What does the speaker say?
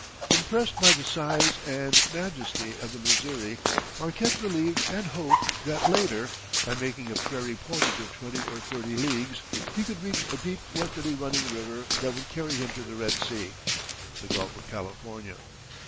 Impressed by the size and majesty of the Missouri Marquette believed and hoped that later, by making a prairie portage of twenty or thirty leagues, he could reach a deep westerly running river that would carry him to the Red Sea (the Gulf of California).